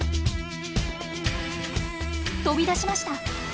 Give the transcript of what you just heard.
飛び出しました！